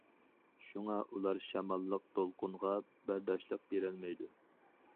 شۇڭا، ئۇلار شاماللىق دولقۇنغا بەرداشلىق بېرەلمەيدۇ.